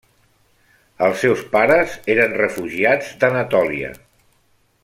Els seus pares eren refugiats d'Anatòlia.